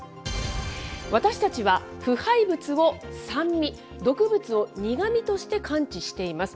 私たちは腐敗物を酸味、毒物を苦みとして感知しています。